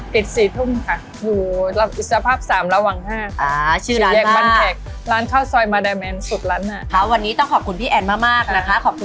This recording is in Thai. ปิด๔ทุ่มค่ะ